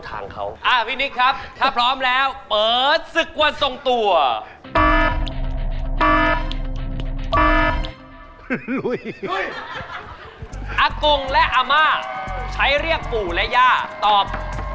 อากงและอาม่าใช้เรียกปู่และย่าตอบ